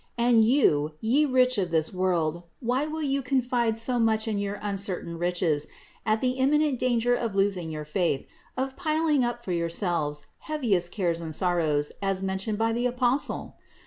And you, ye rich of this world, why will you confide so much in your uncertain riches, at the imminent danger of losing your faith, of piling up for yourselves heaviest cares and sorrows as mentioned by the Apostle?